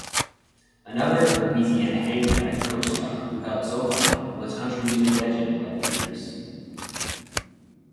Another "Louisiana Hayride" co-star who helped Sovine was country music legend Webb Pierce.